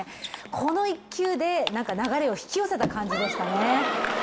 この１球で流れを引き寄せた感じでしたね。